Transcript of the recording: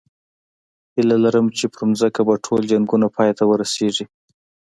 هیله لرم چې په ځمکه به ټول جنګونه پای ته ورسېږي